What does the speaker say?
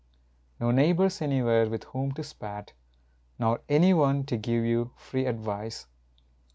No neighbors anywhere with whom to spat, Nor any one to give you free advice.